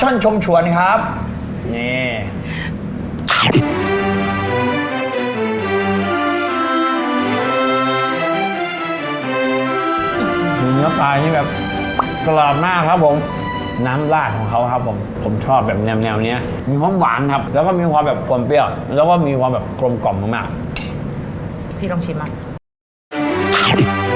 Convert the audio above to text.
เนื้อปลาที่แบบกรอบมากครับผมน้ำลาดของเขาครับผมผมชอบแบบแนวแนวเนี้ยมีความหวานครับแล้วก็มีความแบบกลมเปรี้ยวแล้วก็มีความแบบกลมกล่อมมากมากพี่ต้องชิมมาก